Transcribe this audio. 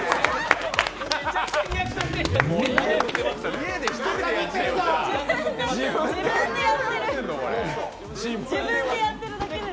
家で１人でやってるじゃん。